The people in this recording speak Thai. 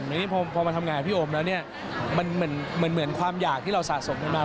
นี่พอมาทำงานแบบให้พี่โอมแล้วมันเหมือนความอยากที่เราสะสมได้มา